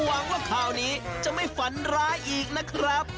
หวังว่าข่าวนี้จะไม่ฝันร้ายอีกนะครับ